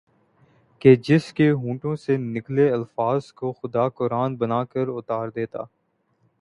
کہ جس کے ہونٹوں سے نکلے الفاظ کو خدا قرآن بنا کر اتار دیتا